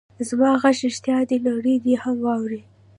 زما غږ رښتیا دی؛ نړۍ دې هم واوري.